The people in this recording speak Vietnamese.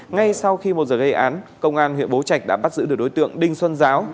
ngay sau khi một giờ gây án công an huyện bố trạch đã bắt giữ được đối tượng đinh xuân giáo